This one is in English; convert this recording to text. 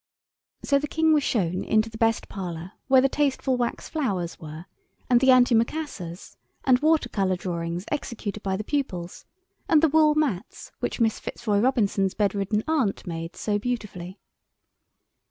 So the King was shown into the best parlour where the tasteful wax flowers were, and the antimacassars and water colour drawings executed by the pupils, and the wool mats which Miss Fitzroy Robinson's bed ridden aunt made so beautifully.